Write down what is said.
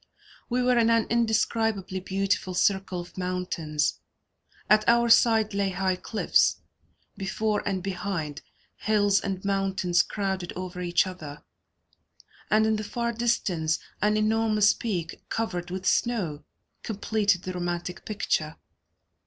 We were in an indescribably beautiful circle of mountains; at our side lay high cliffs; before and behind, hills and mountains crowded over each other, and in the far distance an enormous peak, covered with snow, completed the romantic picture.